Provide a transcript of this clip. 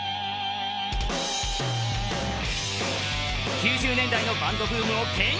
９０年代のバンドブームをけん引。